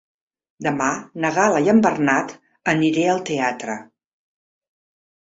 Demà na Gal·la i en Bernat aniré al teatre.